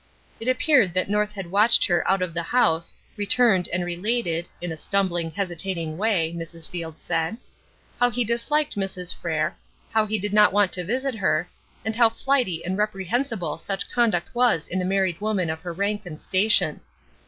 It appeared that North had watched her out of the house, returned, and related in a "stumbling, hesitating way", Mrs. Field said how he disliked Mrs. Frere, how he did not want to visit her, and how flighty and reprehensible such conduct was in a married woman of her rank and station.